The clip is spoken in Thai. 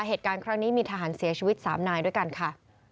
เหตุการณ์ครั้งนี้มีทหารเสียชีวิต๓นายด้วยกันค่ะ